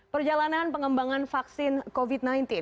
perjalanan pengembangan vaksin covid sembilan belas